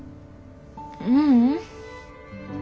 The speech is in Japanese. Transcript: ううん。